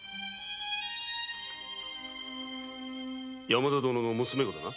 山田殿の娘御だな？